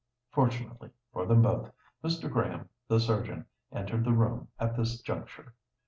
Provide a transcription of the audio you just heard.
Fortunately for them both, Mr. Graham, the surgeon, entered the room at this juncture.